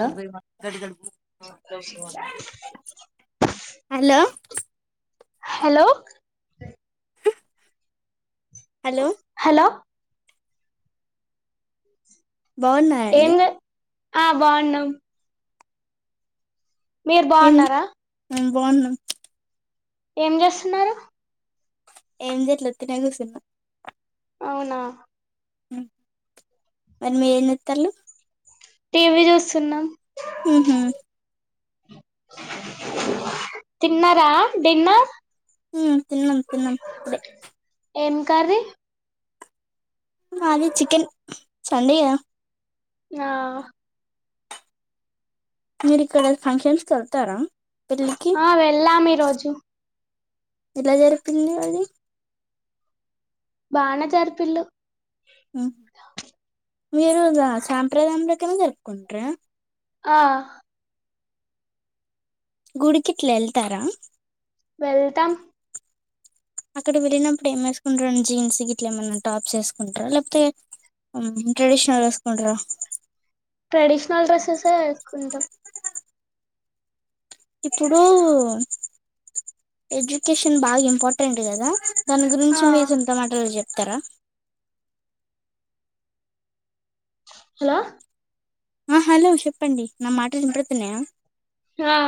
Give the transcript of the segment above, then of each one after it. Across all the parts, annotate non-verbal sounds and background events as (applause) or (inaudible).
Hello hello hello hello hello ఏం బాన్నారండి ఆ బాన్నాం మీరు బాన్నారా బాన్నం ఏం చేస్తున్నారు ఏం చెయ్యట్లే ఉర్కనే కూసున్నాం అవునా మరి మీరేం చెత్తాలు టీవీ చూస్తున్నాం హహ తిన్నారా నిన్న ఉ తిన్నాం తిన్నాం ఇప్పుడే ఏం కర్రీ మాది చికెన్ సండే గా ఆ మీరు ఇక్కడ ఫంక్షన్స్కి వెళ్తారా? పెళ్ళికి ఆ వెళ్ళాం ఈ రోజు ఎలా జరిపిరింది అది బానే జరిపిల్లు ఆ మీరు సాంప్రదారకైనా జరుపుకుంటారా ఆ గుడికిట్ల వెళ్తారా? వెళ్తాం అక్కడ వెళ్ళినప్పుడు ఏం వేసుకుంటారండి జీన్స్ ఇట్లా ఏమన్నా టాప్స్ వేసుకుంటారా లేకపోతే ట్రెడిషనల్ వేసుకుంటారా ట్రెడిషనల్ డ్రెస్సెస్ ఎ వేసుకుంటాం ఇప్పుడు ఎడ్యుకేషన్ బాగా ఇంపార్టెంట్ కదా దాని ఆ గురించి మీ సంత మాటలు చెప్పి ఇత్తర హలో ఆ హలో చెప్పండి నా మాటలు వినిపిడుతున్నాయా ఆ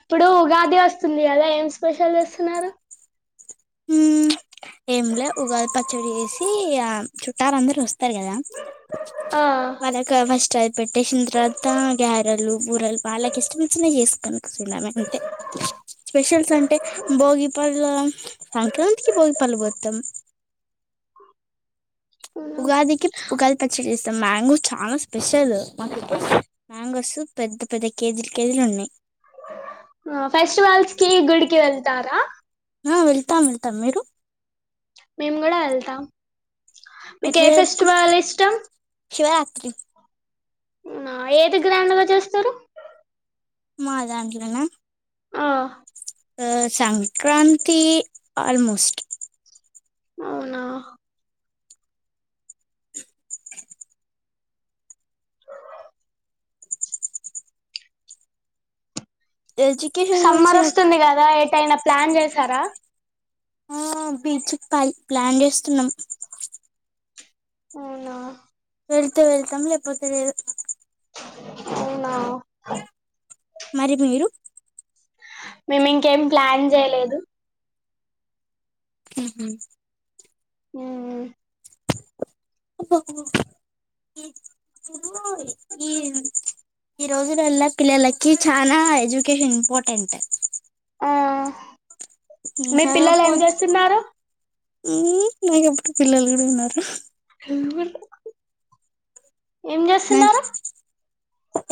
ఇప్పుడు ఉగాది వస్తుంది కద ఏం స్పెషల్ చేస్తున్నారు ఉమ్ ఏమిలే ఉగాది పచ్చడి వేసి ఆ చుట్టారు అందరుూ వస్త చెరు కదా ఆ వాళ్ళకు ఫస్ట్ అయి పెట్టేసిన తర్వాత గ్యారలు బూరలు బాలా కష్టంతున చేసుకున్నాను సినమ అంటే స్పెషల్స్ అంటే భోగి పళ్ళం సంక్రాతికి బగి పల్ వతం ఉగాదకి ఉగాల్ పచ్చ ఇ మ్యాంగో చాలా స్పెషల్ మాకు మ్యాంగోస్ పెద్ద పెద్ద కేజీలు కేజీలు ఉన్నాయి దారా ఆ వెళ్తాం వెళ్తాం మీరు మేము కూడా వెళ్తాం మీకు ఏ ఎట్లా జరుపుకు ఫెస్టివల్ ఇష్టం శివరాత్రి నా ఏది గ్రాండ్ చేస్తారు మా దాంట్లోనే ఆ ఆ సంక్రాంతి ఆల్మోస్ట్ అవునా ఎడ్యుకేషన్ గురించి సమ్మర్ వస్తుంది కదా ఎటైనా ప్లాన్ చేసారా ఆ బీచ్కి పాల్ ప్లాన్ చేస్తున్నాం అవునా వెళ్తే వెళ్తాం లేకపోతే లేదు. అవునా మరి మీరు మేమి ఇంకేం ప్లాన్ చేయలేదు. హు హు ఊ ఈ రోజులల పిల్లలకి చానా ఎడ్యుకేషన్ ఇంపార్టెంట్ ఆ మీ పిల్లలు ఏం చేస్తున్నారు. ఊమ్ నీకు అప్పుడే పిల్లలు కూడా ఉన్నార ఉ ఏం చేస్తున్నారు.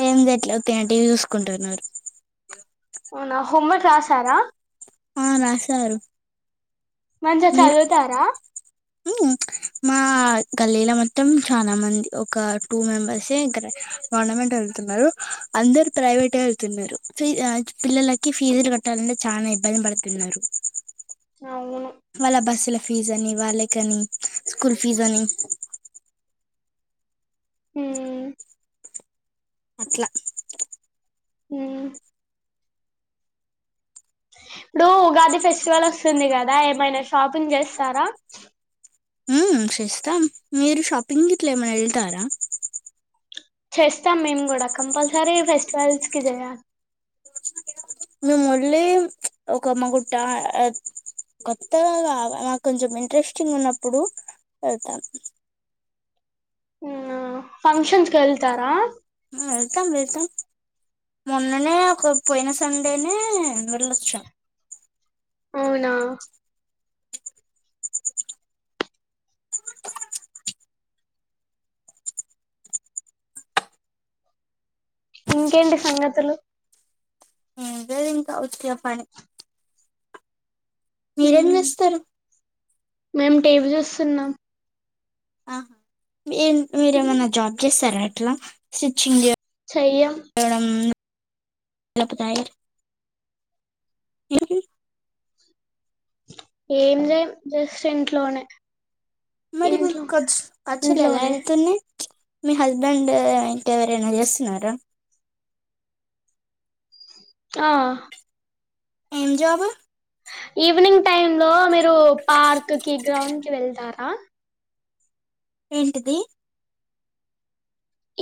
ఏమి జేయట్లా ఊరకనే టీవి చూసుకుంటున్నారు అవునా హోంవర్క్ రాసారా ఆ రాశారు. మంచిగ మీరు చదువుతారా మా గల్లీలో మొత్తం చాలా మంది ఒక టూ మెంబర్స్ ఏ గవర్నమెంట్ వెళ్తున్నారు. అందరు ప్రైవేటే వెళ్తున్నారు. పిల్లలకి ఫీజులు కట్టాలంటే చాన ఇబ్బంది పడుతున్నారు. అవున్ వాళ్ళ బస్సుల ఫీజు అని వాళ్ళకని స్కూల్ ఫీజు అని హ్మ్మ్ ఉ అట్ల హూ అ డు ఉగాది ఫెస్టివల్ వస్ వస్తుంది కదా ఏమైనా షాపింగ్ చేస్తారా ఉమ్ చేస్తాం మీరు షాపింగ్ ఇట్ల ఏమని వెళ్తారా చేస్తాం మేము కూడా కంపల్సరీ ఫెస్టివల్స్ కి చేయాలి మేము ఒళ్ళీ ఒక మా గుట్ట కొత్తగా మాకు కొంచెం ఇంట్రెస్టింగ్ ఉన్నప్పుడు వెళ్తాం ఆ ఫంక్షన్స్ కి వెల్తారా ఆ వెల్త వెల్తమ్ మొన్ అన్ననే ఒక పోయిన సండేనే నిర్లక్షం అవునా ఇంకేంటి సంగతులు ఏం లేదు ఇంకా వచ్చా పైనే మీరేం మ్మ్. చేస్తరు మేము టీవ్ చూస్తున్నాం ఆహ మీరు మ్మ్. ఏమన్నా జాబ్ చేస్తార స్టిచింగ్ ఏ చెయ్యం ఎవరికీ ఏం చెయన్ జస్ట్ ఇంట్లోనే మరి మీ ఇంట్లో కొచ్చ్ పచ్చల ఎలా ఇంట్లోనే వెళ్తుంది మీ హస్బెండ్ ఇంక ఏవరైనా చేస్తున్నారా ఆ ఏం జాబ్ ఈవినింగ్ టైమ్ లో మీరు పార్క్ కి గ్రౌండ్ కి వెళ్తారా ఏంటాది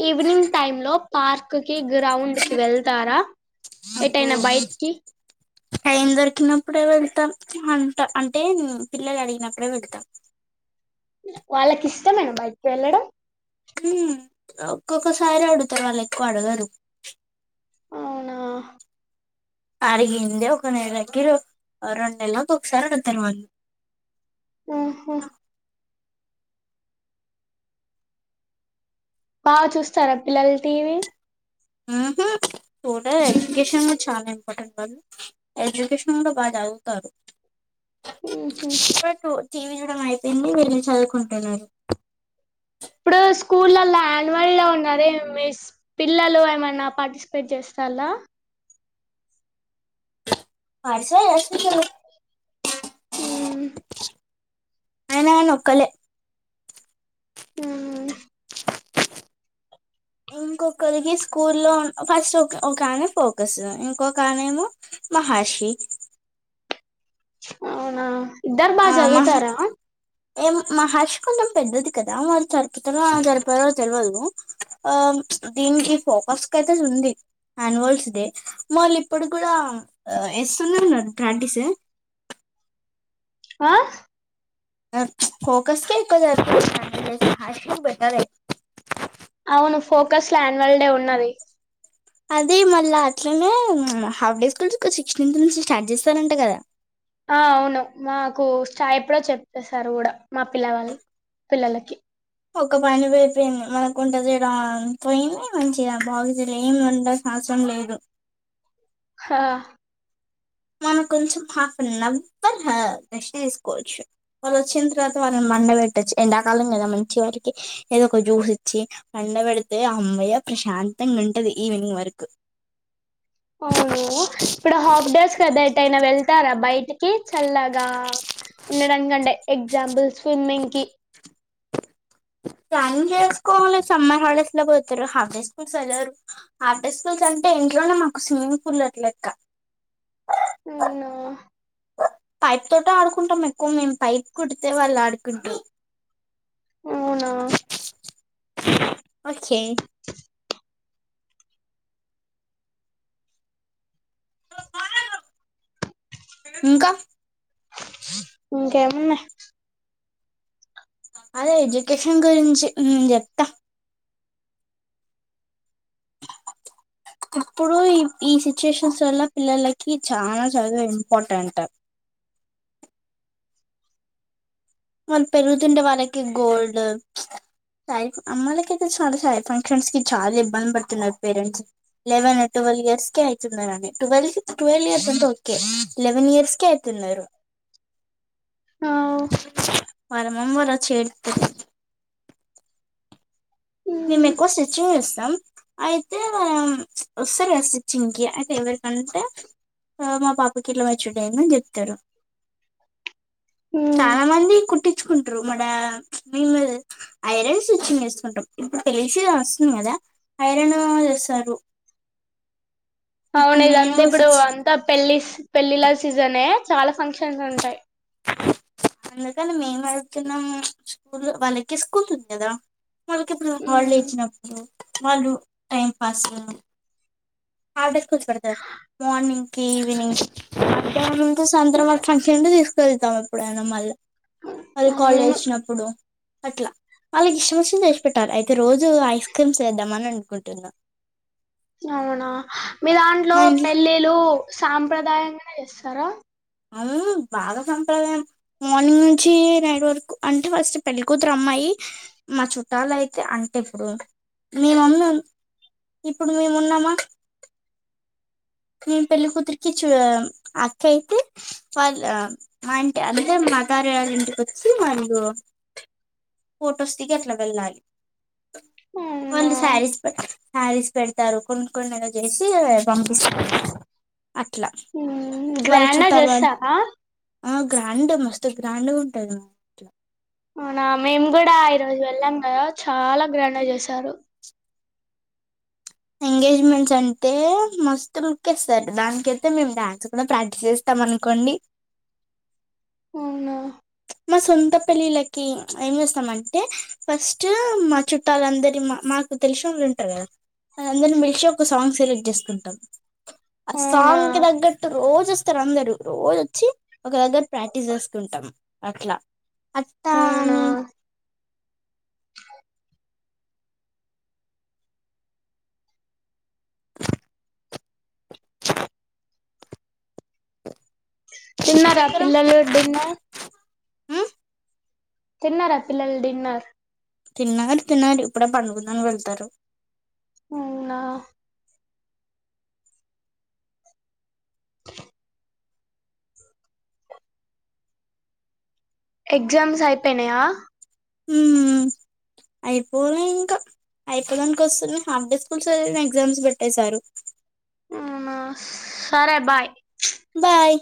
ఈవినింగ్ టైమ్ లో పార్క్ గ్రౌండ్ కి వెళ్తారా అబ్బో ఎటైనా బయట్కి టైం దొరికినప్పుడే వెళ్తాం అంట అంటే పిల్లలు అడిగినప్పుడే వెళ్తాం వాళ్ళకి ఇష్టమేనా బయట్కి వెళ్ళడం మ్మ్ ఒక్కొక్కసారి అడుగుతారు వాళ్ళ ఎక్కువ అడగరు ఉ హ అడిగిందే ఒక నెలకి రెండు నెల్లకి ఒకసారి అడగుతారు వాళ్ళు ఆహా బాగా చూస్తారా పిల్లల టీవీ పోతే ఎడ్యుకేషన్ చాలా ఇంపార్టెంట్ వాళ్ళు ఎడ్యుకేషన్ బాగా చదువుతారు ఉహు పెటూ టీవి చూడ్డం అయిపోయింది వెళ్ళి చదువుకుంటన్నాడు ఇప్పుడు స్కూల్లో యాన్యువల్ లో ఉన్నారే మీ పిల్లలు ఏమన్నా పార్టిసిపేట్ చేస్తలా వర్షాలు వస్తున్నాయి గా ఆయనగాని ఒక్కలే అవున ఇంకొకరికి స్కూల్లో ఫస్ట్ ఒక ఆమె ఫోకస్ ఇంకొక ఆమె ఏమో మహర్షి అవునా ఇద్దరు బాగా ఆ మహ చదువుతారా ఏం మాహర్షి కొంచెం పెద్దది కదా మళ్ళ సరిపుతాదొ సరిపొదొ తెలవదు ఆ దీనికి ఫోకస్ కయితే ఉంది అన్వల్స్ డే వాళ్ళు ఇప్పుడు కూడా ఇస్తున్నారున్నారు గా ప్రాక్టీస్ ఆ ఫోకస్ కే ఎక్కువ సరిపోతాది (unintelligible) హష బెటర్ అది అవును ఫోకస్ లో యన్యువల్ డే ఉన్నది అదే మళ్ళా అట్లనే హాఫ్ డే స్కూల్ సిక్స్టీన్త్ నుంచి స్టార్ట్ చేస్తారంట కదా ఆ అవును మాకు స్టాటర్డే చెప్పేశారు కూడా మా పిల్లవాళ్ళు పిల్లలకి ఒక పని పడిపోయింది లేకుంటే వంట చేయడం పోయింది మంచిగా బాగుంది ఏమ్ వండాల్సిన అవసరం లేదు హా మనం కొంచెం హాఫ్న్ంతా రెస్ట్ తీసుకోవచ్చు వాళ్ళు వచ్చిన వ (unintelligible) ళ మండే బొయ్ తేచ్చి ఎండాకాలం గదా మంచి వారికి ఏదో ఒక జ్యూస్ ఇచ్చి అండ పెడితే, అమ్మయ్య ప్రశాంతంగా ఉంటది ఈవినింగ్ వరకు. అవును ఇప్పుడ్ హాఫ్ డేస్క్ కద ఎటైనా వెళ్తారా బయటికి చల్లగా ఉండటంకంటే ఎగ్జాంపుల్స్ స్విమ్మింకి ప్లానింగ్ చేసుకోవాలి సమ్మర్ హాడేస్ లో పోతారు హాఫే స్కూల్స్ వెళ్లరు, హాఫే స్కూల్స్ అంటే ఇంట్లోనే మాకు స్విమ్మింగ్ పూల్ అట్లెక్క. వున్నా పైప్ తోట ఆడుకుంటాం ఎక్కువ మేము పైప్ కుడితే వాళ్ళు ఆడుకుంటా. అవునా వచ్చే ఇంకా ఉమ్మ్ ఏమున్నాయి అదే ఎడ్యుకేషన్ గురించి చెప్తా ఇప్పుడు ఈ సిచ్యుయేషన్స్ వల్ల పిల్లలకి చాలా చదువు ఇంపార్టెంట్ వాళ్ళ్ పెరుగుతుండే వాళ్ళకి గోల్డ్ సారీ అమ్మాలకి అయితే చాలా శారీ ఫంక్షన్స్ కి చాలా ఇబ్బంది పడుతున్నారు. పేరెంట్స్ లెవెన్ ట్వెల్వ్ ఇయర్స్ కి అయితున్నారుడి, ట్వెల్వ్ కి ట్వెల్వ్ ఇయర్స్ అంటే ఓకే లెవెన్ ఇయర్స్ కి అయితున్నారు. ఔ వరమమ్ వర చెడుతే నిమ్మే మ్మ్ కోసే చీగ్స్ తం అయితే మరం వస్తారుగా స్విచ్చింగ్ కి అయితే ఎవరి అంటే మా పాప్ వాకిట్లోవచ్చడయి తీరు ఉమ్ చాలా మంది కుట్టి నేర్చుకుంటారు మా డా మేము ఐరన్స్ సిచ్చింగ్ చేసుకుంటాం ఇప్పుడు తెలిసేది వస్తుంది కదా ఐరన్ చేసారు అవునది అంతే ఇప్పుడు అంతా పెళ్లి పెళ్ళిళ్ళ సీజనే చాలా ఫంక్షన్స్ ఉంటాయి. అందుకని మేము వెళ్తున్నాము స్కూల్ వాళ్ళకి స్కూల్ ఉంది కదా వాళ్ళకి ఎప్పుడు హాలిడే ఉమ్ ఇచ్చినప్పుడు వాళ్ళు టైం పాసు ఆడర్కుడుత మార్నింగ్ క ఈవినింగ్ మధ్యాహ్నం నుంచి సాయంత్ర రెండు తీసుకెళ్తాం ఎప్పుడైనా మళ్ళీ మరి కాలేజ్ అవును వచ్చినప్పుడు. అట్లా వాళ్ళకి ఇష్టం వచ్చంది తెసి పెట్టాలి అయితే రోజు ఐస్ క్రీమ్స్ వేద్దామని అనుకుంటున్నా అవునా మీ దాంట్లో మా ఇంట్లో పెళ్ళిళ్ళు సాంప్రదాయగనే చేస్తారా అవు బాగా సంప్రదాయం మార్నింగ్ నుంచి నైట్ వరకు అంటే ఫస్ట్ పెళ్ళికతురు అమ్మాయి మా చుట్టాలు అయితే అంటే ఇప్పుడు మీ మమ్మీ ఇప్పుడు మేము ఉన్నామా నేను పెళ్లికతురికి చ అక్క అయితే వాళ్ళ ఆ ఇంటి అంటే మా తార వాళ ఇంటికి వచ్చి వాళ్ళు ఫోటోస్ కట్లా వెళ్ి వ అవునా సారీస్ పె శారీస్ పెడతారు కొన్ని కొన్నిలు చేసి పం ఉ వాళ్ళ గ్రాండ్ గా చుట్టాలు వాళ్ళు చేస్తారా ఆ గ్రాండ్ మస్తు గ్రాండ్గా ఉంటుంది మా అవునా మేము కూడా ఈరోజు వెళ్ళాం కదా చాలా గ్రాండ్ గా చేశారు ఎంగేజ్మెంట్స్ అంటే మస్తు క్ేస్తారు దానికైతే మేము డ్యాన్స్ కూడా ప్రాక్టీస్ చేస్తాం అనుకోండి అవునా మా సొంత పెళ్ళిళ్ళకి ఏం చేస్తామ అంటే ఫస్ట్ మా చుట్టాలందరి మా మాకు తెలిసిన వాళ్ళు ఉంటారు కదా అ అందరి మలిచి ఒక సాంగ్ సెలెక్ట్ చేసుకుంటాం ఆ అవునా సాంగ్ కి తగ్గట్టు రోజు చూస్తారు అందరుూ రోజోచ్చి ఒకదగర ప్రాక్టీస్ చేసుకుంటాం అట్లా అవునా అత్తాని తిన్నారా దగ్గర పిల్లలు డిన్నర్ ఉమ్, తిన్నారా పిల్లలు డిన్నార్ తిన్నారు తిన్నారు ఇప్పుడే పండుకున్నారు ఇద్దరు అవునా ఎగ్జామ్స్ అయిపోయినాయా ఉ అయిపోలే ఇంకా అయిపోదనినికి వస్తు హాఫ్ డే స్కూల్స్ది ఎగ్జామ్స్ పెట్టేశారు అవునా సరే బాయ్ బాయ్